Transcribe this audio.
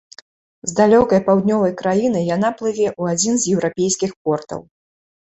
З далёкай паўднёвай краіны яна плыве ў адзін з еўрапейскіх портаў.